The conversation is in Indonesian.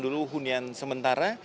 dulu hunian sementara